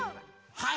はい！